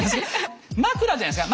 枕じゃないですか？